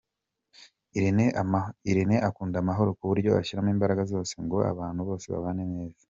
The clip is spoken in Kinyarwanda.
Irene akunda amahoro kuburyo ashyiramo imbaraga zose ngo abantu bose babane neza.